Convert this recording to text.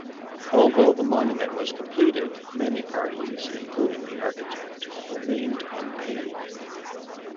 Although the monument was completed many parties (including the architect) remained unpaid.